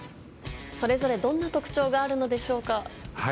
それぞれどんな特徴があるのでしょうか？